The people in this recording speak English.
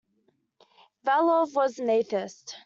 Vavilov was an atheist.